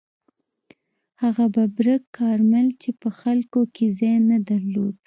هغه ببرک کارمل چې په خلکو کې ځای نه درلود.